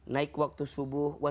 naik waktu subuh